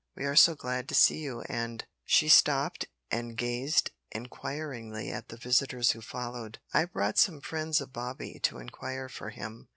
We are so glad to see you, and " She stopped, and gazed inquiringly at the visitors who followed. "I've brought some friends of Bobby to inquire for him.